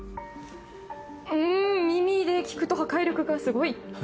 ん耳で聞くと破壊力がすごい。